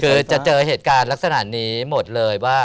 คือจะเจอเหตุการณ์ลักษณะนี้หมดเลยว่า